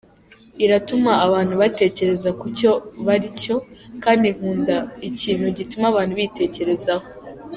Iratuma abantu batekereza ku cyo baricyo, kandi nkunda ikintu gituma abantu bitekerezaho.